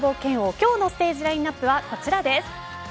今日のステージラインアップはこちらです。